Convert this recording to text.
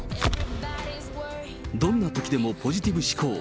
どんなときでもポジティブ思考。